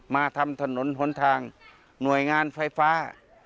มาทำถนนหนทางหน่วยงานไฟฟ้า